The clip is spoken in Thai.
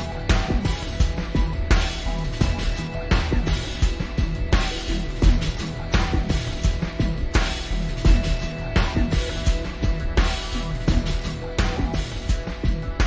โปรดติดตามตอนต่อไป